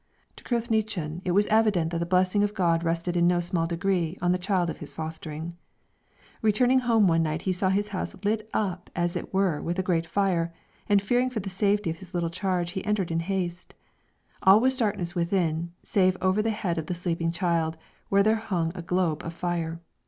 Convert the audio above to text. To Cruithnechan it was evident that the blessing of God rested in no small degree on the child of his fostering. Returning home one night he saw his house lit up as it were with a great fire, and fearing for the safety of his little charge he entered in haste. All was in darkness within, save over the head of the sleeping child, where there hung a globe of fire.